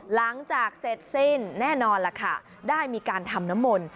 หลังจากเสร็จสิ้นแน่นอนล่ะค่ะได้มีการทำน้ำมนต์